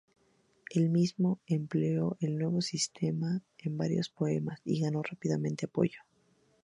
Él mismo empleó el nuevo sistema en varios poemas y ganó rápidamente apoyo.